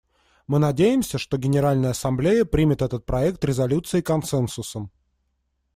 Мы надеемся, что Генеральная Ассамблея примет этот проект резолюции консенсусом.